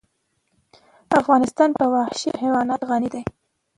افغانستان په وحشي حیوانات غني دی.